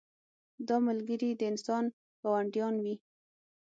دا ملګري د انسان ګاونډیان وي.